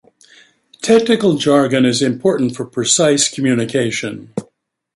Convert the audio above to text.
Technical jargon is important for precise communication.